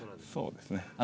そうですね。